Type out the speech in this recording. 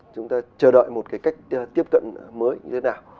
chúng ta chờ đợi một cái cách tiếp cận mới như thế nào